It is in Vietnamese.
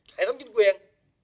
hệ thống chính quyền